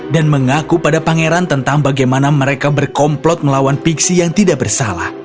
dan mengaku pada pangeran tentang bagaimana mereka berkomplot melawan pixie yang tidak bersalah